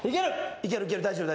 いけるいける大丈夫。